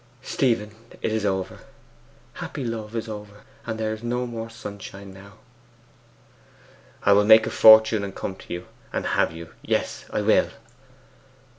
'Stephen, it is over happy love is over; and there is no more sunshine now!' 'I will make a fortune, and come to you, and have you. Yes, I will!